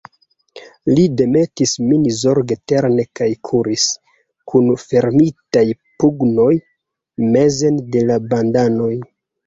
Li demetis min zorge teren kaj kuris, kun fermitaj pugnoj, mezen de la bandanoj.